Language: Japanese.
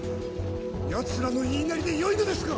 やつらの言いなりで良いのですか！？